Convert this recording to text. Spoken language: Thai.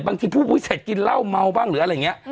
บางทีผู้วิเศษกินหล่าวเมาบ้างหรืออะไรอย่างนี้